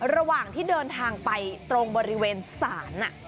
ระหว่างที่เดินทางไปตรงบริเวณศาล